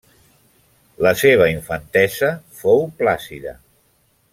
La seva infantesa fou plàcida.